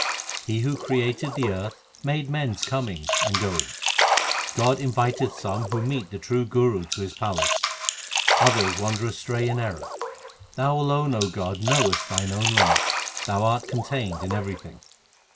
He who created the earth made men s coming and going. God inviteth some who meet the true Guru to His palace ; others wander astray in error. Thou alone, O God, knowest Thine own limit ; Thou art contained in everything.